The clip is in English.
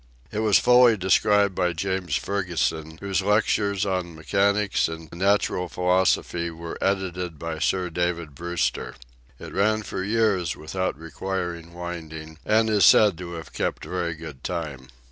It was fully described by James Ferguson, whose lectures on Mechanics and Natural Philosophy were edited by Sir David Brewster. It ran for years without requiring wind ing, and is said to have kept very good time.